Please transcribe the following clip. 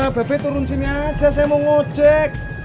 bebe turun sini aja saya mau ngecek